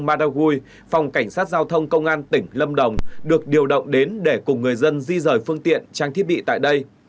madagui phòng cảnh sát giao thông công an tỉnh lâm đồng được điều động đến để cùng người dân di rời phương tiện trang thiết bị tại đây